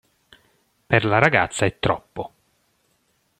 Per la ragazza è troppo.